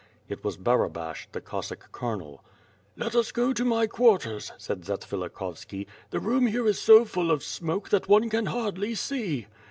It was Barabash, the Cossack Colonel. "Let us go to my quarters?" said Zatsvilikhovski, "the room here is so full of smoke that one can hardly see."